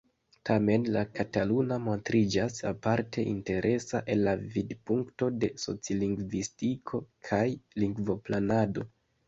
Tamen la kataluna montriĝas aparte interesa el la vidpunkto de socilingvistiko kaj lingvoplanado.